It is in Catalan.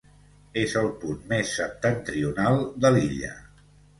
És el punt més septentrional de l'illa.